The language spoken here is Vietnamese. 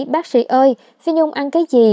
bác sĩ ơi phi nhung ăn cái gì